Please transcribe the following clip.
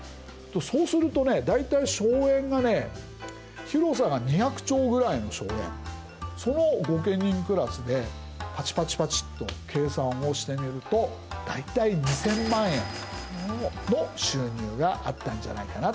そうするとね大体荘園がね広さが二百町ぐらいの荘園その御家人クラスでパチパチパチと計算をしてみると大体２千万円の収入があったんじゃないかな。